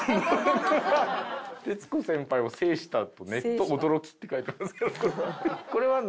「“徹子先輩を制した”とネット驚き」って書いてあるんですけど。